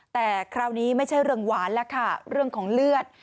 แต่คราวนี้ไม่ใช่เรื่องหวานแล้วค่ะเรื่องของเลือด